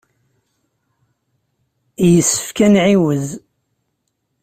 Yessefk ad nɛiwez.